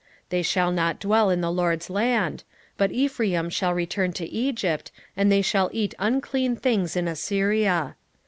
9:3 They shall not dwell in the LORD's land; but Ephraim shall return to Egypt, and they shall eat unclean things in Assyria.